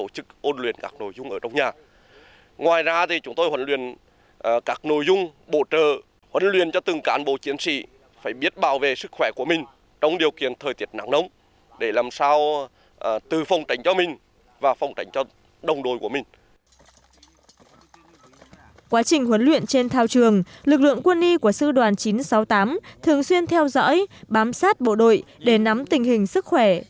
quá trình huấn luyện trên thao trường lực lượng quân y của sư đoàn chín trăm sáu mươi tám thường xuyên theo dõi bám sát bộ đội để nắm tình hình sức khỏe